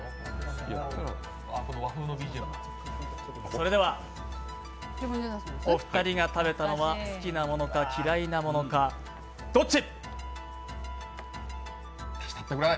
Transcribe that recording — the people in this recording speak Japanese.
それでは、お二人が食べたのは好きなものか、嫌いなものか、どっち？